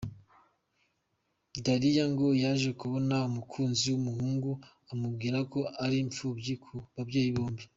Dariya ngo yaje kubona umukunzi w'umuhungu amubwira ko ari imfubyi ku babyeyi bombi.